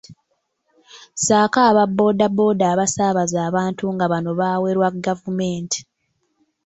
Sako aba boda boda abasaabaza abantu nga bano bawerwa gavumenti.